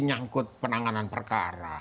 nyangkut penanganan perkara